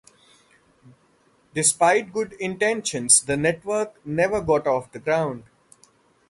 Despite good intentions, the network never got off the ground.